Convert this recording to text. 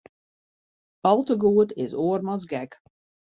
Al te goed is oarmans gek.